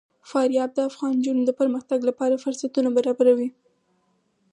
فاریاب د افغان نجونو د پرمختګ لپاره فرصتونه برابروي.